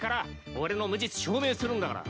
俺の無実証明するんだから。